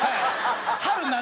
春夏。